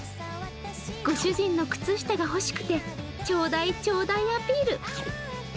ご主人の靴下が欲しくてちょうだい、ちょうだいアピール。